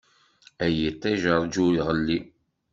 Ay iṭij ṛğu ur ɣelli.